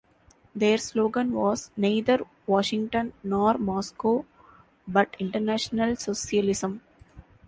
Their slogan was "Neither Washington nor Moscow but International Socialism".